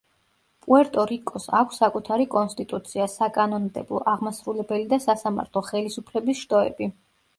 პუერტო-რიკოს აქვს საკუთარი კონსტიტუცია, საკანონმდებლო, აღმასრულებელი და სასამართლო ხელისუფლების შტოები.